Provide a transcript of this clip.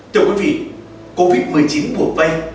thưa quý vị covid một mươi chín bổ vay